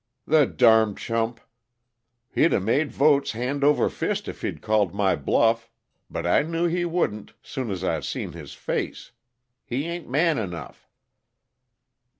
"The darned chump he'd 'a' made votes hand over fist if he'd called my bluff; but, I knew he wouldn't, soon as I seen his face. He ain't man enough."